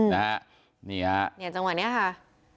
เนี่ยจังหวะเนี่ยค่ะ